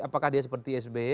apakah dia seperti sby